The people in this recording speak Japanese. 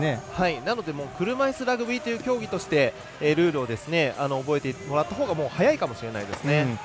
なので車いすラグビーという競技としてルールを覚えてもらったほうが早いかもしれないですね。